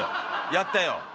やったよ。